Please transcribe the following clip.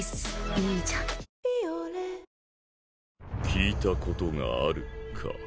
「聞いたことがある」か。